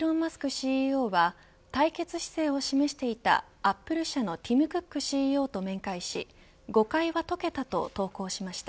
ＣＥＯは対決姿勢を示していたアップル社のティム・クックＣＥＯと面会し誤解は解けたと投稿しました。